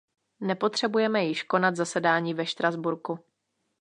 Nepotřebujeme již konat zasedání ve Štrasburku.